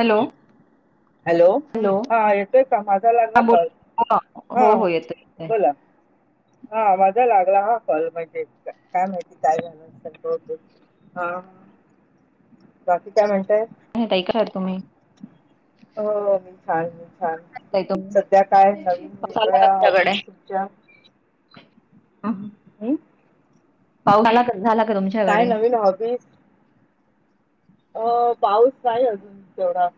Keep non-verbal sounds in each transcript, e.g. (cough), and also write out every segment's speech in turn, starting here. Hello (inaudible) hello हा येतोय. का माझा लागला बोल कॉल हो हा हो येतोय येतोय बोला (inaudible) हा माझा लागला हा कॉल म्हंजे काय माहिती काय झालं असेल बहुतेक हा बाकी काय म्हणतंय बहिराय काय तुम्ही (unintelligible) छान छान पाऊस सध्या काय नवीन आला का वेगवेगळ्या तुमच्याकडे? हॉबीज तुमच्या हम्म (inaudible) पाऊस झाला झाला का तुम काय नवीन हॉबीज अ पाऊस नाही अजून तेवढा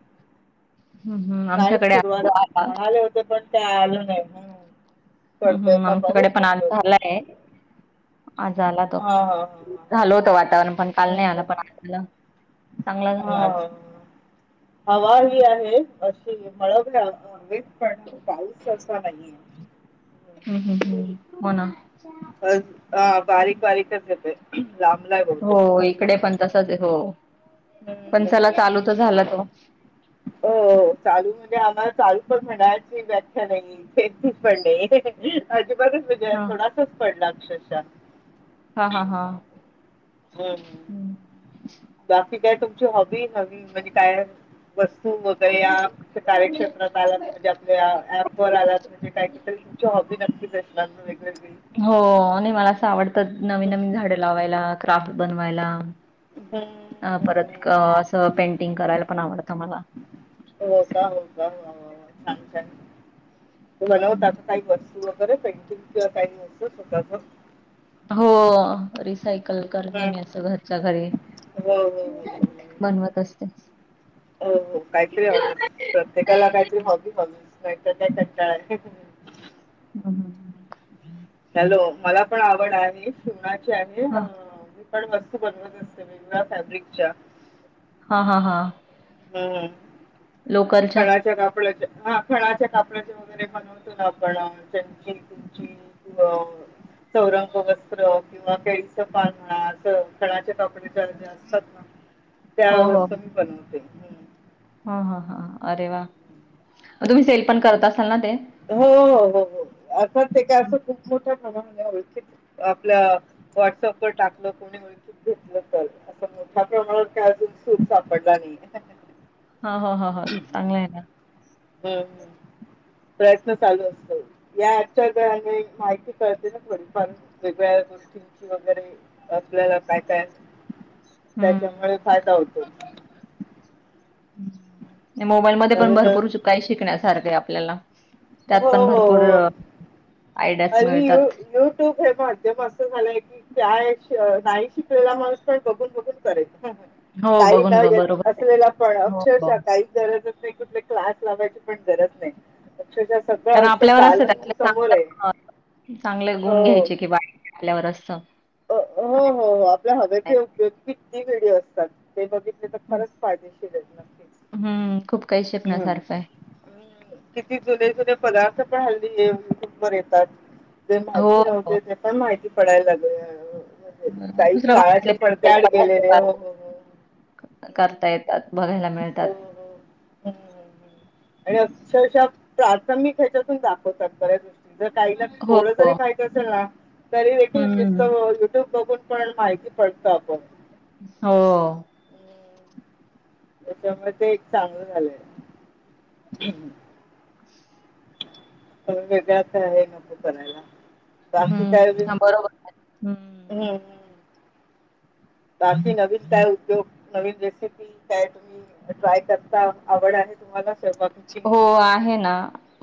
हम्म हम्म नाहीच आमच्याकडे आज सुरुवात आला म्हणाले होते पण ते आलं नाही ना हम्म हम्म आमच्याकडे पण आज झालाय आज आला तो हा हा हा हा झाल होत वातावरण पण काल हम्म नाही आलं पण आज हम्म आला चांगला हा झाला हा आज हा. हवा ही आहे अशी मळभ (unintelligible) पण पाऊस असा नाहीये हम्म हम्म हम्म हो ना ब हा बारीक बारीकच येतोय हो इकडे पण तसचयं हो पण चला हम्म. चालू तर झाला तो हो हो चालू म्हणजे आम्हाला चालू पण म्हणाची व्याख्या नाहीये इथे पण नाही म्ह बच विजया हा थोडासाच पडला अक्षरशः हा हा हा हम्म. हम्म बाकी काय तुमची हॉबी हवी म्हणजे काय वगैरे या कार्यक्षेत्रात आलात म्हणजे आपल्या ऍप वर आलात म्हणजे काय तरी तुम नक्कीच असणार ना वेगवेगळ हो नाही मला असं आवडतात नवीन हम्म नवीन झाडं लावायला क्राफ्ट बनवायला हम्म. अ परत असं पेंटिंग करायला पण आवडतं मला हो का हो छान छान मला होत हं. काही वस्तू वगैरे पेंटिंग किंवा काही असत स्वतःच हो सायकल करते हम्म मी असं घरच्या घरी हो हो हो बनवत असते हो काहीतरी हवच प्रत्येकाला काहीतरी हॉबी हवीच नाही तर लय कंटाळा येतो हम्म हम्म हम्म हॅलो मला पण आवड आहे शिवणाची आणि अ हा पण वस्तू बनवत असते वेगवेगळ्या फॅब्रिकच्या हा हा हा हम्म लोकलच्या खणाच्या कापड्याच्या हा खणाच्या कापड्याचे वगैरे बनवतो ना आपण त्यांची तुमची क चौरंग वस्त्र किंवा केळीचं पान म्हणा असं खणाच्या कापडी असतात त्या वस्तू मी बनव ह ह ह अरे वा मग तुम्ही सेल पण करत असाल ना ते? हं. हो हो हो हो असं ते काय असं खूप मोठ्या प्रमाण नाही ओळखीत आपल्या व्हॉट्सअप वर टाकलं कोणी ओळखीत घेतलं तर अस मोठ्या प्रमाणावर काय अजून सूर सापडला नाहीये हा हा हा हा चांगलं आहे ना हम्म हम्म प्रयत्न चालू असतो या आजच्या काळाने माहिती कळते ना थोडी फार वेगगळ्या गोष्टींची वगैरे आपल्याला काय काय त्याच्यामुळे हम्म. फायदा होतो मोबाईल मध्ये पण नवीन भरपूर नवीन काही शिकण्यासारखं आहे आपल्याला त्यात पण भरपूर आयडियाज अ यू मिळतात. युट्यूब हे माध्यम असं झालंय की त्या नाही शिकलेला माणूस पण बघून बघून करेल हो काही बघून न ब- येत बरोबर आहे असलेला पण हो हो अक्षरशः काही गरजच नाही कुठ क्लास लावायची पण गरज नाही अक्षरशः सगळ्या कारण अस आपल्यावर असतं दालन त्यातलं समोर आहे चांगलं चांगले गुण हो घ्यायचे की वाईट आपल्यावर असंत हो हो हो आपल्या हव ते उपयोग किती विडिओ असतात ते बघितले तर खरच पाहिजे शिर हं, खूप काही नक्कीच हम शिकण्यासारखं आहे. किती जुने जुने पदार्थ पण हल्ली युट्यूबवर येतात ज हो, माहिती हो. नव्हते ते पण माहिती पडायला लागले म्हणजे बर काही दुसऱ्या काळाच्या भागातले पडद्याआड गेलेले हो हो हो. हम्म. करतायेत बघायला मिळतात हो हो हम्म हम्म आणि अक्षरशः प्राथमिक ह्याच्यातून दाखवतात बऱ्या दृष्टी जर काही ना हो, थोडं हो. जरी माहित असेल ना तरी देखील हं, नुसतं युट्यूब बघून पण माहिती पडत आपोआप हो. त्याच्यामुळे ते एक चांगलं झालंय. पा वेगळ्या प्रकारे ही नको करायला हम्म बाकी काय हा बरोबर आहे. हं. हम्म. बाकी नवीन काय उद्योग नवीन रेसिपी काय तुम्ही ट्राय करता आवड आहे तुम्हाला स्वयंपाकाची हो आहे ना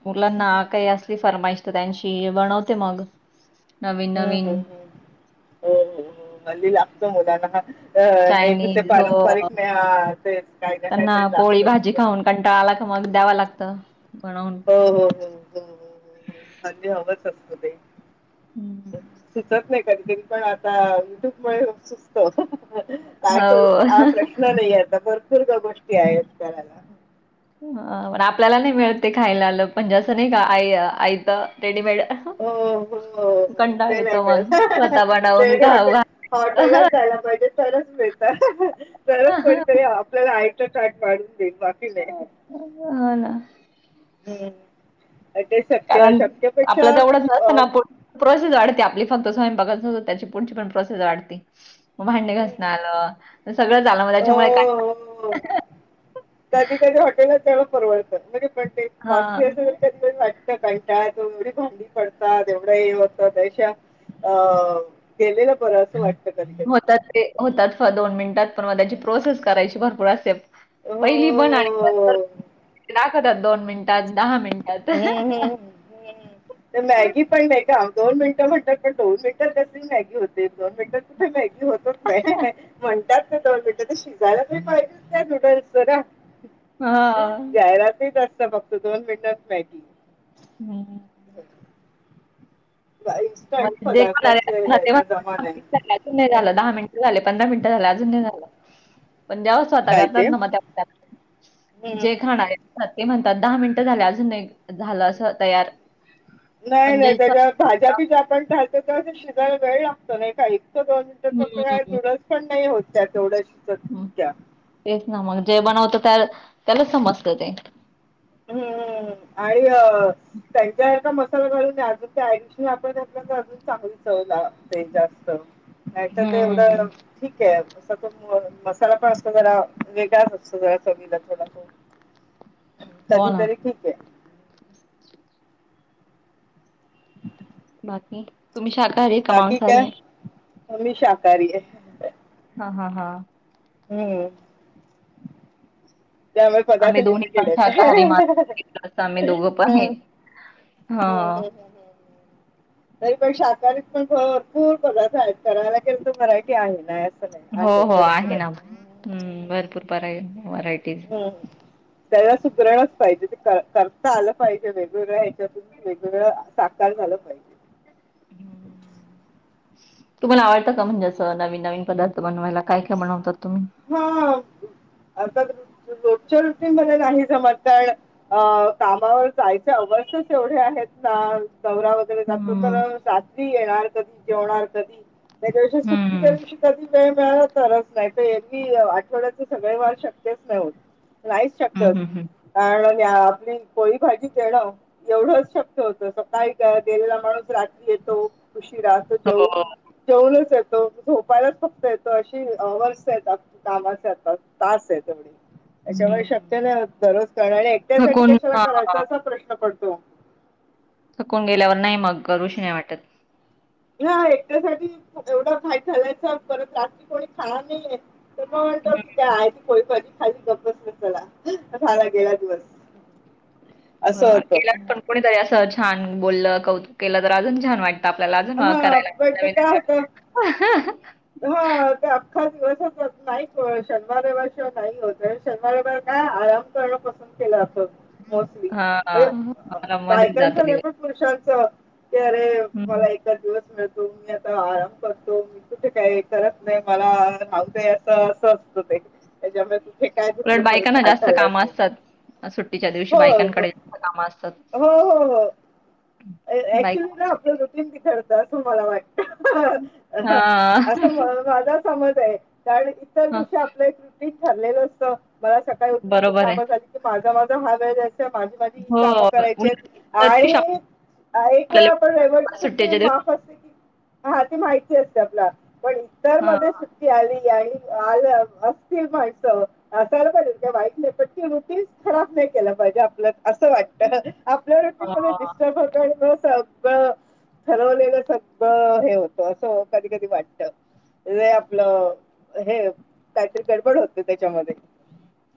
मुलांना हम्म काही हम्म असली फरमाईश तर त्यांची बनवते मग हम्म नवीन-नवीन हम्म हम्म हो हो हो हल्ली लागत मुलांना हा अ नेहमीचे चायनीज हो, पारंपरिक नाही ते काही ना त्यांना काहीतरी पोळी भाजी लागतच खाऊन कंटाळा आला का मग द्याव लागत हो हो हो हो अगदी हवांच असत ते. हं. सुचत नाही कधीकधी पण आता युट्यूब मुळे खुप सुचत. काय करू हा हो. प्रश्न नाही आता भरपूरश्या गोष्टी आहेत करायला. अह आपल्याला नाही मिळत ते खायला म्हणजे असं नाही का आई आयत रेडीमेड हो हो हो कंटाळा ते नाही येतो मग मिळत. स्वतः बनवून खाऊ आपल्याला घाल. हॉटेलात जायला पाहिजे तरच मिळत तरच कोणीतरी आपल्याला आयत ताट वाढून ठीक बाकी नाय. हो ना. हम्म. ते शक्य कारण शक्यपेक्षा आपला तेवढंच अ, नसतं ना पण प्रोसेस वाढते आप आपली फक्त स्वयंपाकाच त्याची पुढची पण प्रोसेस वाढते भांडे घसण हम्म. आलं सगळंच आलं मग हो त्याच्यामुळे हो हो काय परवडत पण ते हां, (unintelligible) सकाळी काय एवढी भांडी पडतात एवढं हे होत त्यापेक्षा अह गेलेलं बरं असं वाटत होतात ते होतात दोन मिनिटात पण मग त्याची प्रोसेस करायची भरपूर असते पहिली बन (unintelligible) हो दाखवतात दोन मिनटात दहा मिनिटात हम्म हम्म हम्म मॅगी पण नाही का दोन मिनिटं म्हणतात पण दोन (unintelligible) मॅगी होते दोन मिनटात कुठ मॅगी होतच नाही, म्हणतात दोन मिनिट ते शिजायला तरी पाहिजेत ना नूडल्स जरा हां. जाहिरातीच असत फक्त दोन मिनटात मॅगी हम्म. (unintelligible) इन्स्टंट दहा पदार्थांचे यायला जमाना आहे. हम्म हम्म मिनिटं झाले पंधरा मिनिटं झाले अजून नाही झालं पण जेव्हा स्वतः काय करतात ते? ना मग त्या हम्म जे हम्म. खाणारात ते म्हण तात दहा मिनिटं झाल अजून नाही झालं असं तयार नाही पण नाही जे त्याच्या भाज्या बीज्या आपण घालतो तेव्हा शिजायला वेळ लागतो नाही काही फक्त दोन मिनिटांत फक्त त्या हं, नूडल्स पण नाही होत तेव्हढ्या शिजत हं. त्या तेच ना मग जे बनवत त्या त्याला समजत ते. हम्म आणि अ त्यांच्यासारखं मस्त (unintelligible) ऍडिशनल आपण घातल तर अजून चांगली चव लागते जास्त नाही तर ते एवढं हं, ठीक आहे (unintelligible) मसाला पण असतो जरा वेगळाच असतो जरा चवीला थोडा तो हो कधी ना. तरी ठीक आहे. बाकी तुम्ही शाकाहारी आहात का मांसाहारी आहे हा मी शाकाहारी आहे. हा हा हा. हम्म. त्याम पदार्थ आम्ही दोन्ही लिमिटेड पण आहेत शाकाहारी, मांसाहारी प्लस आम्ही दोघं हम्म पण आहे. हम् हम् हां. हम् हम् तरी पण शाकाहारीत पण भरपूर पदार्थ आहेत करायला गेल की मराठी आहे ना हो हो आहे ना भरपूर पराय व्हराय- हम् त्याला सुगरनच पाहिजे ते करता आलं पाहिजे वेगवेगळ्या ह्याच्यातून वेगवेगळं साकार झालं पाहिजे तुम्हाला आवडतं का म्हणजे असं नवीन नवीन पदार्थ बनवायला काय काय बनवतात तुम्ही हम्म आ रोजच्या रुटिंग मध्ये नाही जमत तर कामावर जायच वर्षच एवढे आहेत ना दौरा वगैरे जातो हम्म तर सासरी येणार कधी जेवणार कधी त्याच्या दिवशी सुट्टीच्या हम्म दिवशी कधी वेळ मिळाला तरच नाही आठवड्याचे सगळे वार शक्यच नाही होत नाहीच शक्य हम्म होत हम्म हम्म (inaudible) आपली पोळी भाजी देणं एवढंच शक्य होत सकाळी गेलेला माणूस रात्री येतो उशिरा राहतो जेव हो जेवणच येतो झोपायलाच फक्त येतो अशी येत कामाेचे आता तास आहे तेवढ त्याच्यामुळे शक्य हम्म नाही दररोज करण आणि एकट्यासाठी थकून कशाला हा करायचा असा प्रश्न पडतो हो थकून गेल्यावर नाही मग करूशी नाय वाटत ह एकट्यासाठी एवढं काय घालायचं परत रात्री कोणी खाणार नाहीये ते मग म्हणतो हम्म कि त्या आहे ती पोळी कर खाली गप बसलेय चला झाला गेला दिवस असं बरोबर केला होतं पण कोणीतरी असं छान बोललं कौतुक केलं तर अजून छान वाटत आपल्याला अजून हा करायला पण ते काय होतं (inaudible) हा ते अख्खा दिवसच नाही शनिवार रविवार शिवाय नाही होत शनिवार रविवार काय आराम करणं पसंद केलं जातं मोस्टली हा हा मला मध्येच बायकांच जातो नाही दिवस पण पुरुषांच ते अरे हम्म. मला एकाच दिवस मिळतो मी आता आराम करतो तुठे काही करत नाही मला नावत असं असं असत ते त्याच्यामुळे तुठे काय उलट तुटले परत बायकांना धाड जास्त कामं घालायचे असतात सुट्टीच्या दिवशी हो हो बायकांकडे जास्त कामं असतात. हो हो हो ऍक्च्युली बायका ना आपलं रुटीन तिथे होतं असं मला वाटतं असं हां, माझा समज आहे कारण इतर दिवशी आपलं एक रूटीन ठरलेलं असतं मला सकाळी उठून हे बरोबर आहे. काम झाली की माझा माझा हा वेळ माझी माझी ही हो, काम उलट करायचीत त्या आणि दिवशी एक वेळा आपल्याला आपण रविवारी ते सुट्टीच्या दिवशी माफ असते कि हा ते माहिती असते आपला पण इतर हां, मध्ये सुट्टी आली आणि आ असतील माणस सर वाईट नाही पण सुट्टी खराब नाही केलं पाहिजे. आप अस वाटत आपल्या रुटीन मग हां. डिस्टर्ब सगळं ठरवलेलं सगळं हे होत असं कधी कधी वाटत हे आपलं हे काहीतरी गडबड होते त्याच्यामध्ये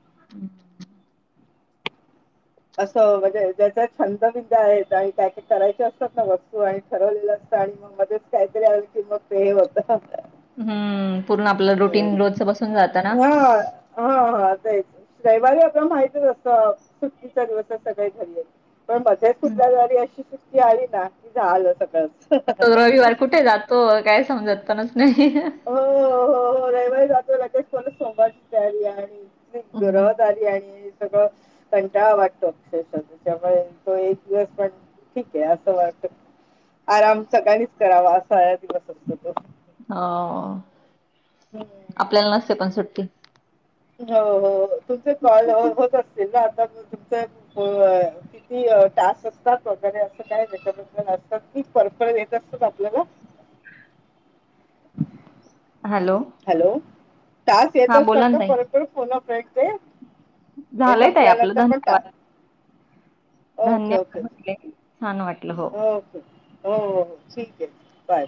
हम्म असं म्हणजे ज्याच्या छंद बिंद आहेत आणि त्याॅक करायचे असतात ना वस्तू आणि ठरवलेल्या अस आणि मग मध्येच काहीतरी आलं की मग ते हे होत हम्म हम् हा हा हा तेयच रविवारी आपला माहितच असं सुट्टीचा दिवस सगळे घरी पण मध्येच हं, कुठल्या जारी अशी सुट्टी आली ना की झालं सकाळ रविवार कुठे जातो काय समजात न हो हो हो हो रविवारी जातो (unintelligible) सोमवारची तयारी आहे आणि हं. गर्वात आली आणि सगळं कंटाळ वाटतो अक्षरशः त्याच्यामुळे, तो एक दिवस पण ठीक आहे असं वाटत आराम सगळ्यांनीच करावा असा दिवस असतो तो. हो आपल्याला हम्म नसते पण सुट्टी. हो हो तुमचे कॉल होत असतील ना. तुमचं अ किती अ टास्क असतात, वगैरे असं काही रेकमेंडत अस आपली कर्तव्य येत असतात आपल्याला. Hello, hello. टास्क येत हां, असतात बोला ना का, ताई. परत परत फोन अ फ्रंडचे? हे झालंय ताई आपलं संपल्यानंतर पण धन्यवाद. टास्क ओके धन्यवाद ओके. म्हटले. छान वाटलं हो. हो हो ठीक आहे बाय.